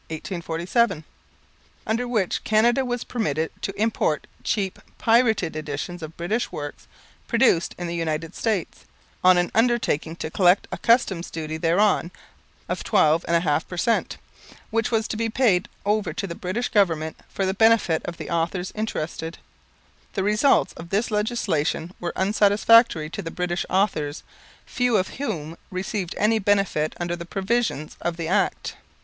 To remove this ground of complaint, the Imperial Parliament passed the Foreign Reprints Act (1847), under which Canada was permitted to import cheap pirated editions of British works produced in the United States, on an undertaking to collect a Customs duty thereon of 12 1/2 per cent., which was to be paid over to the British Government for the benefit of the authors interested. The results of this legislation were unsatisfactory to the British authors, few of whom received any benefit under the provisions of the Act.